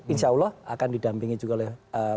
insya allah akan didampingi juga oleh pak sby